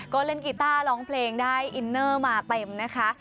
ก็เล่นกีต้าร้องเพลงได้อินเนอร์มาเต็มนะคะ